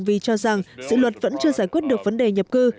vì cho rằng sự luật vẫn chưa giải quyết được vấn đề nhập cư